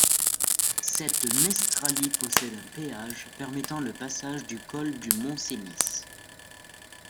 Cette mestralie possède un péage permettant le passage du col du Mont-Cenis.